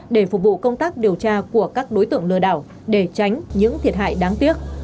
để phục vụ công tác điều tra của các đối tượng lừa đảo để tránh những thiệt hại đáng tiếc